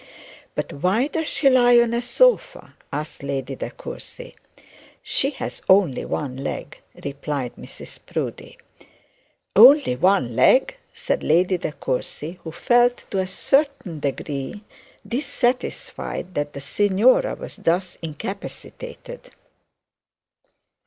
'But why does she lie on a sofa?' asked the Lady De Courcy. 'She has only one leg,' said Mrs Proudie. 'Only one leg!' said the Lady De Courcy, who felt to a certain degree dissatisfied that the signora was thus incapacitated.